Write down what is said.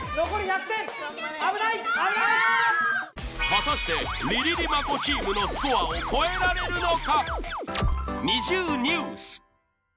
果たしてリ・リ・リ・マコチームのスコアを超えられるのか？